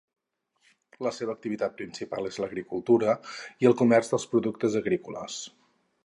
La seva activitat principal és l'agricultura i el comerç dels productes agrícoles.